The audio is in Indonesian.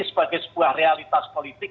sebagai sebuah realitas politik